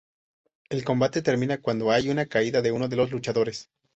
El combate termina cuando hay una caída de uno de los luchadores.